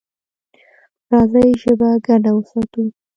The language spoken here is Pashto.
راځئ ژبه ګډه وساتو.